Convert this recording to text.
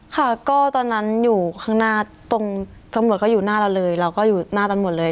ค่ะก็ตอนนั้นอยู่ข้างหน้าตรงตำรวจก็อยู่หน้าเราเลยเราก็อยู่หน้ากันหมดเลย